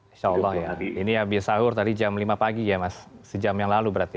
insya allah ya ini habis sahur tadi jam lima pagi ya mas sejam yang lalu berarti